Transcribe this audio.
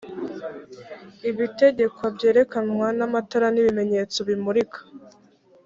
ibitegekwa byerekanwa n amatara n’ibimenyetso bimurika